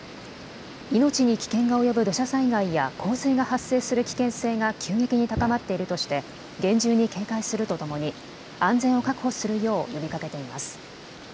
命に危険が及ぶ土砂災害や洪水が発生する危険性が急激に高まっているとして厳重に警戒するとともに安全を確保するよう呼びかけています。